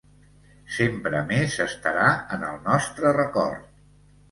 Sempre més estarà en el nostre record.